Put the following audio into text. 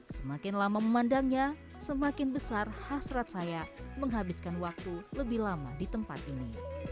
semakin lama memandangnya semakin besar hasrat saya menghabiskan waktu lebih lama di tempat ini